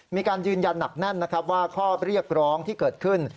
มีการยืนยันหนักแน่นนะครับว่าข้อเรียกร้องที่เกิดขึ้น